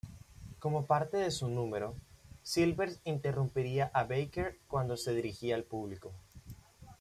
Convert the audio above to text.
Como parte de su número, Silvers interrumpía a Baker cuando se dirigía al público.